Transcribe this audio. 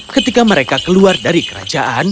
ketika mereka keluar dari kerajaan